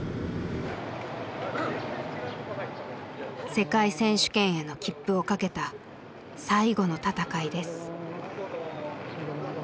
世界選手権への切符をかけた最後の戦いです。